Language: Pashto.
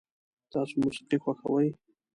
تاسو موسیقي خوښوئ؟